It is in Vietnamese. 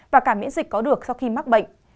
và cả miễn dịch có được sau khi mắc bệnh